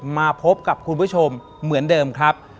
มาพบกับคุณผู้ชมเหมือนเดิมครับ